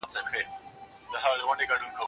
د جزیاتو په خوندي کولو کې تر اورېدلو دقیق دي.